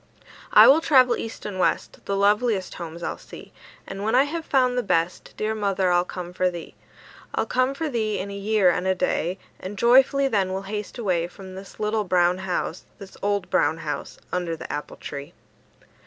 "I will travel east and west; The loveliest homes I'll see; And when I have found the best, Dear mother, I'll come for thee. I'll come for thee in a year and a day, And joyfully then we'll haste away From this little brown house, This old brown house, Under the apple tree."